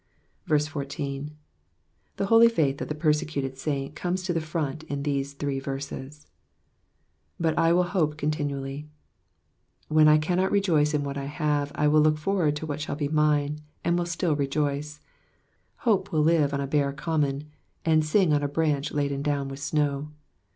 14. The bolj faith of the pemecoted saint ccnnes to the front in these three rersea. ^"BhI I tciU hope eofUinually."^ When I cannot rejoice in what I have, I will look forward to what shall be mine, and will still rejoice. Hope will live 00 a bare common, and sing on m branch laden down with snow.